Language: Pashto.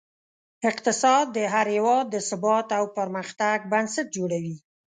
اقتصاد د هر هېواد د ثبات او پرمختګ بنسټ جوړوي.